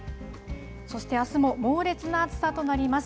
そして、あすも猛烈な暑さとなります。